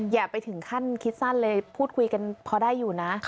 อย่าไปถึงขั้นคิดสั้นเลยพูดคุยกันพอได้อยู่นะ